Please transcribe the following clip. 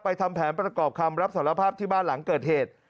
ทำแผนประกอบคำรับสารภาพที่บ้านหลังเกิดเหตุ